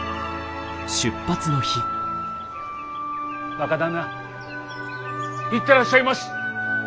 若旦那行ってらっしゃいまし！